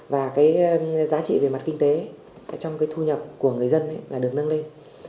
và giá trị về mặt kinh tế trong thu nhập của người dân được nâng lên